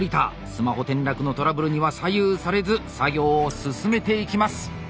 スマホ転落のトラブルには左右されず作業を進めていきます。